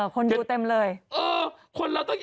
คนดูเต็มเลย